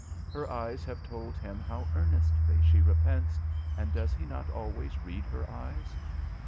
Her eyes have told him how earnestly she repents: and does he not always read her eyes?